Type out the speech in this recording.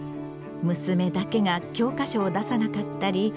娘だけが教科書を出さなかったり。